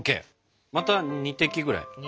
また２滴ぐらい？